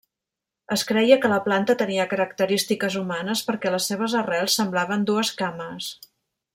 Es creia que la planta tenia característiques humanes perquè les seves arrels semblaven dues cames.